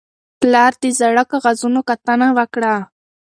پلار د زاړه کاغذونو کتنه وکړه